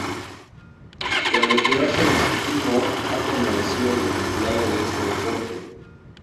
Tras retirarse del ciclismo, ha permanecido desvinculado de este deporte.